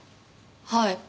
はい。